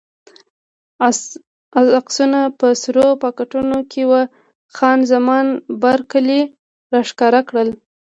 عکسونه په سرو پاکټو کې وو، خان زمان بارکلي راښکاره کړل.